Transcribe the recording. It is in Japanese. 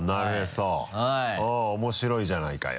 うん面白いじゃないかよ。